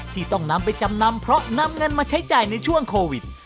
ที่ต้องนำไปจำนำเพราะนำเงินมาใช้จ่ายในช่วงโควิด